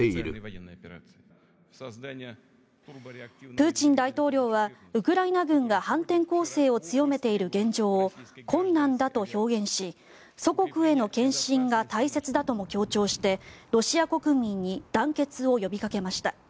プーチン大統領はウクライナ軍が反転攻勢を強めている現状を困難だと表現し祖国への献身が大切だとも強調してロシア国民に団結を呼びかけました。